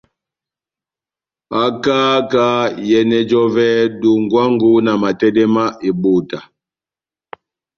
Haka kahá iyɛnɛ j'ɔvɛ dongwango na matɛdɛ ma ebota.